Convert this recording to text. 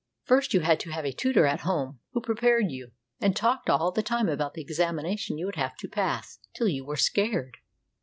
First, you had to have a tutor at home, who prepared you, and talked all the time about the examination you would have to pass, till you were scared.